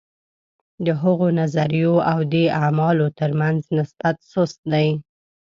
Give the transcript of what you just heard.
د هغو نظریو او دې اعمالو ترمنځ نسبت سست دی.